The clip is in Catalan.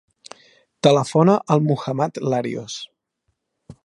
Telefona al Muhammad Larios.